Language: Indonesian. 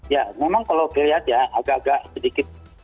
ya memang kalau dilihat ya agak agak sedikit